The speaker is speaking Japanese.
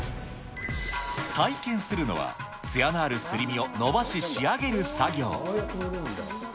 体験するのは、艶のあるすり身を伸ばし、仕上げる作業。